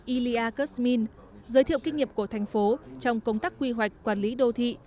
ilya kuzmin giới thiệu kinh nghiệm của thành phố trong công tác quy hoạch quản lý đô thị